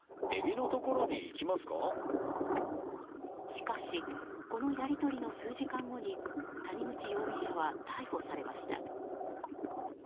しかし、このやり取りの数時間後に谷口容疑者は逮捕されました。